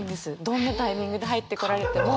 どんなタイミングで入ってこられても。